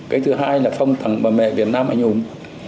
cái thứ hai là phong tặng bà mẹ việt nam anh hùng